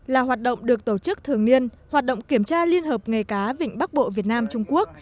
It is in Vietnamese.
là hoạt động được tổ chức thường niên hoạt động kiểm tra liên hợp nghề cá vịnh bắc bộ việt nam trung quốc